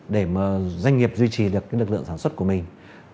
để doanh nghiệp duy trì được lực lượng sản xuất của mình